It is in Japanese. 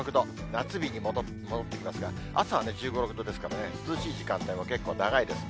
夏日に戻ってきますが、朝は１５、６度ですからね、涼しい時間帯も結構長いです。